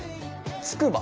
つくば！